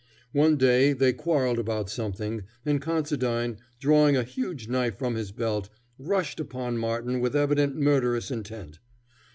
One day they quarreled about something, and Considine, drawing a huge knife from his belt, rushed upon Martin with evident murderous intent.